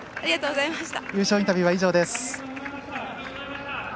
優勝インタビューは以上です。